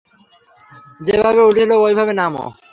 যেভাবে উঠছিলা, ঐভাবে নামো।